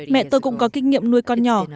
mẹ tôi cũng có kinh nghiệm nuôi con nhỏ